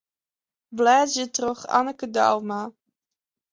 Blêdzje troch Anneke Douma.